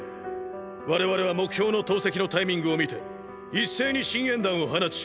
我々は目標の投石のタイミングを見て一斉に信煙弾を放ち！！